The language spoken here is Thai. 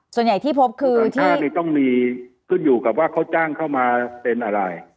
ส่วนใหญ่ที่พบคือชาตินี้ต้องมีขึ้นอยู่กับว่าเขาจ้างเข้ามาเป็นอะไร